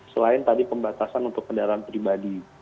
selain tadi pembatasan untuk kendaraan pribadi